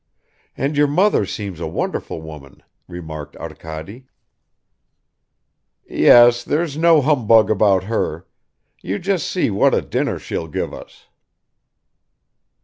"And your mother seems a wonderful woman," remarked Arkady. "Yes, there's no humbug about her. You just see what a dinner she'll give us."